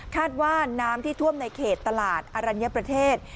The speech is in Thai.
ว่าน้ำที่ท่วมในเขตตลาดอรัญญประเทศ